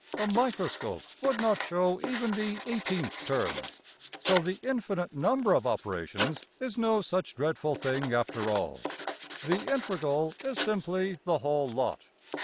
A microscope would not show even the $18^{\text{th}}$~term! So the infinite number of operations is no such dreadful thing after all. The \emph{integral} is simply the whole lot.